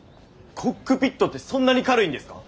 コックピットってそんなに軽いんですか？